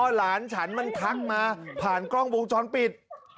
หลานฉันมันทักมาผ่านกล้องวงจรปิด